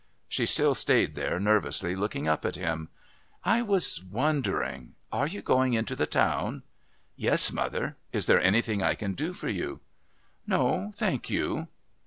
She still stayed there nervously looking up at him. "I was wondering Are you going into the town?" "Yes, mother. Is there anything I can do for you?" "No, thank you."